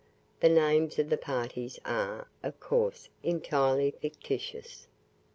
The names of the parties are, of course, entirely fictitious.